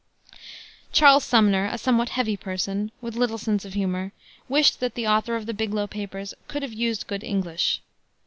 Charles Sumner, a somewhat heavy person, with little sense of humor, wished that the author of the Biglow Papers "could have used good English."